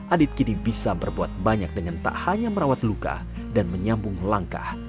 adit kini bisa berbuat banyak dengan tak hanya merawat luka dan menyambung langkah